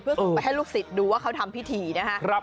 ส่งไปให้ลูกศิษย์ดูว่าเขาทำพิธีนะครับ